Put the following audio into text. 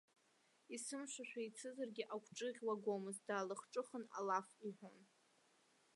Есымша шәеицызыргьы, агәҿыӷь уагомызт, длахҿыхын, алаф иҳәон.